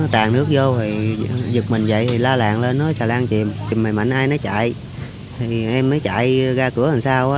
thì la làng lên nói xà lan chìm chìm mạnh mạnh ai nói chạy thì em mới chạy ra cửa hình sau